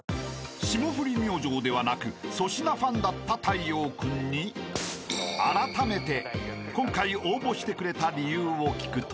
［霜降り明星ではなく粗品ファンだった太陽君にあらためて今回応募してくれた理由を聞くと］